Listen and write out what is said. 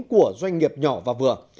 của doanh nghiệp nhỏ và vừa